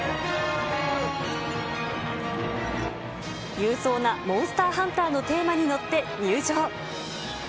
勇壮なモンスターハンターのテーマに乗って入場。